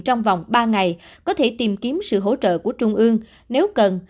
trong vòng ba ngày có thể tìm kiếm sự hỗ trợ của trung ương nếu cần